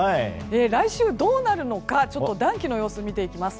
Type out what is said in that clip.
来週はどうなるのかちょっと暖気の様子を見ていきます。